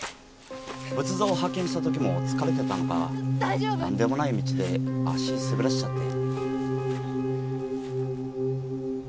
仏像を発見した時も疲れてたのかなんでもない道で足滑らせちゃって。